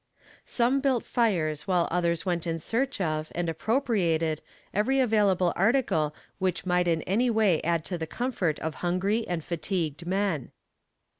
Some built fires while others went in search of, and appropriated, every available article which might in any way add to the comfort of hungry and fatigued men.